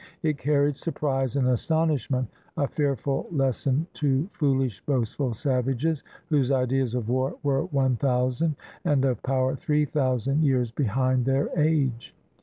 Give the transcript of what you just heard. It carried surprise and astonishment, a fearful lesson to foolish, boastful savages whose ideas of war were one thousand, and of power three thousand years behind their age.